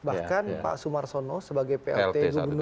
bahkan pak sumarsono sebagai plt gubernur